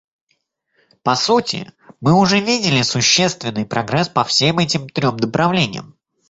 По сути, мы уже видели существенный прогресс по всем этим трем направлениям.